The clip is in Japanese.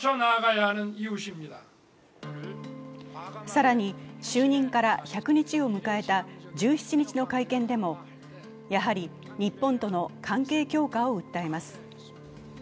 更に、就任から１００日を迎えた１７日の会見でもやはり日本との関係強化を訴えます。